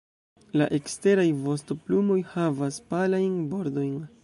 La eksteraj vostoplumoj havas palajn bordojn.